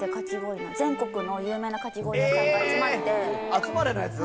集まれのやつ？